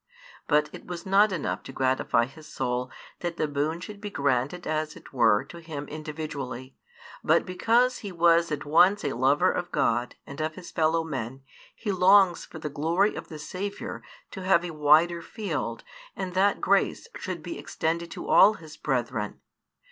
But it was not enough to gratify his soul that the boon should be granted as it were to him individually, but because he was at once a lover of God and of his fellow men he longs for the glory of the Saviour to have a wider field and that grace should be extended to all his brethren.